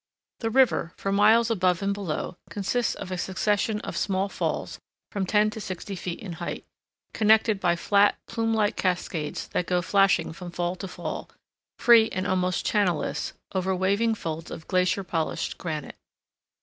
The river, for miles above and below, consists of a succession of small falls from ten to sixty feet in height, connected by flat, plume like cascades that go flashing from fall to fall, free and almost channelless, over waving folds of glacier polished granite.